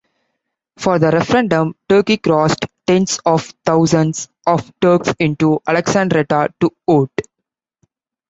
For the referendum, Turkey crossed tens of thousands of Turks into Alexandretta to vote.